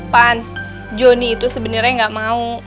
pan johnny itu sebenernya gak mau